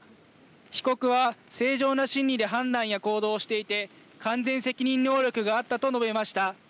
被告は、正常な心理で判断や行動をしていて完全責任能力があったと述べました。